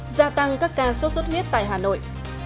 gia tăng các ca sốt xuất huyết tại hà nội